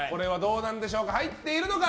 これは入っているのか。